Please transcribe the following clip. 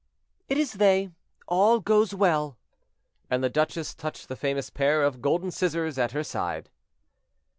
"It is they; all goes well." And the duchess touched the famous pair of golden scissors at her side.